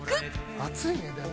暑いねでも。